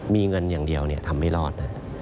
มีเงินอย่างเดียวทำไม่รอด